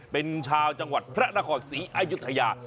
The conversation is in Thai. เป็นชาวจังหวัดพระนครศรีอายุทยา